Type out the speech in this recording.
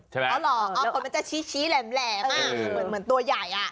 ใช่ไหมอ๋อขนมันจะชี้แหลมค่ะเหมือนตัวใหญ่